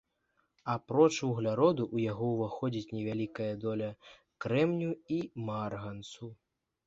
Апроч вугляроду ў яго ўваходзяць невялікая доля крэмнію і марганцу.